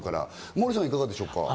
モーリーさん、いかがでしょう？